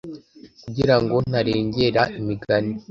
kugira ngo ntarengera Imigani